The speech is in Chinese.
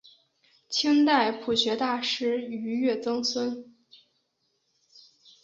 清代朴学大师俞樾曾孙。